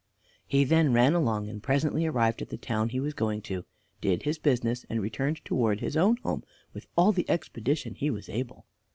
He then ran along, and presently arrived at the town he was going to, did his business, and returned towards his own home with all the expedition he was able.